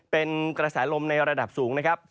เป็นกระแสลมในระดับสูงนะครับ